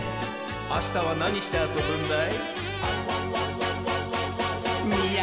あしたはなにしてあそぶんだい？